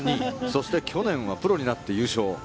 そして去年はプロになって優勝。